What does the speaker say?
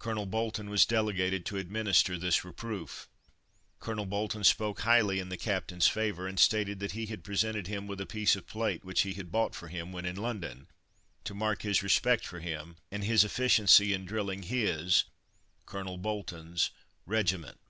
Colonel Bolton was delegated to administer this reproof. Colonel Bolton spoke highly in the Captain's favour, and stated that he had presented him with a piece of plate which he had bought for him when in London, to mark his respect for him, and his efficiency in drilling his (Colonel Bolton's) regiment.